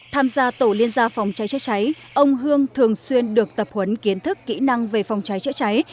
tham gia tổ liên gia phòng cháy chữa cháy ông hương thường xuyên được tập huấn kiến thức kỹ năng về phòng cháy chữa cháy